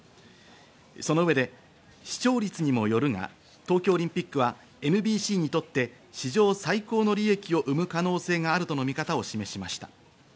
その上で視聴率にもよるが東京オリンピックはＮＢＣにとって、史上最高の利益を生む可能性があるとの見方を示しました。